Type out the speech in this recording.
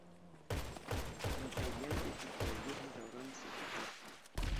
مزین به زیبایی هزاران ستاره